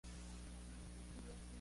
Además descubrió a Gloria Jean.